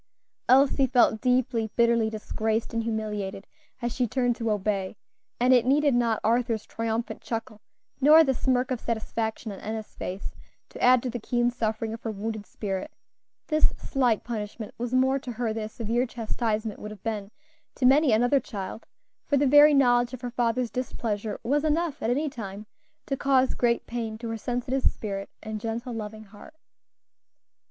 Elsie felt deeply, bitterly disgraced and humiliated as she turned to obey; and it needed not Arthur's triumphant chuckle nor the smirk of satisfaction on Enna's face to add to the keen suffering of her wounded spirit; this slight punishment was more to her than a severe chastisement would have been to many another child; for the very knowledge of her father's displeasure was enough at any time to cause great pain to her sensitive spirit and gentle, loving heart.